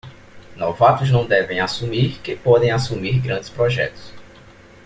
Novatos não devem assumir que podem assumir grandes projetos.